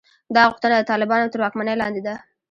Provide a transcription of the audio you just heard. دا غوښتنه د طالبانو تر واکمنۍ لاندې ده.